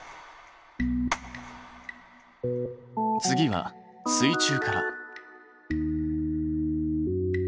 次は水中から。